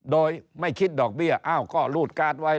โดยไม่คิดดอกเบี้ยอ้าวก็รูดการ์ดไว้